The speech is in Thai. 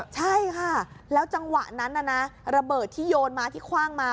ใช่ค่ะแล้วจังหวะนั้นนะระเบิดที่โยนมาที่คว่างมา